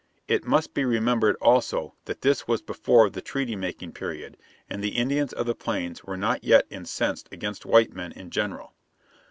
It must be remembered, also, that this was before the treaty making period, and the Indians of the Plains were not yet incensed against white men in general.